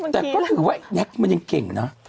แต่ก็ถือว่าไอ้แน็กมันยังเก่งนะ